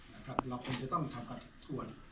เราคงจะต้องทำกับส่วน